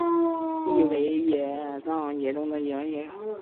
意为武藏野中的原野。